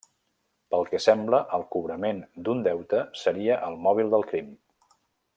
Pel que sembla, el cobrament d'un deute seria el mòbil del crim.